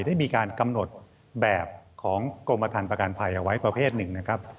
ได้มีการกำหนดแบบของกรมฐานประกันภัยเอาไว้ประเภทหนึ่งนะครับ